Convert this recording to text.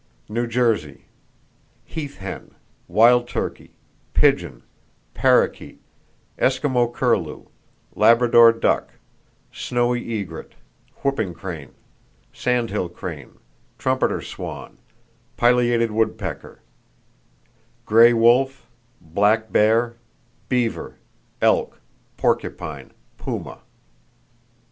New Jersey: Heath hen, wild turkey, pigeon, parrakeet, Eskimo curlew, Labrador duck, snowy egret, whooping crane, sandhill crane, trumpeter swan, pileated woodpecker; gray wolf, black bear, beaver, elk, porcupine, puma.